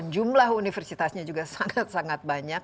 jumlah universitasnya juga sangat sangat banyak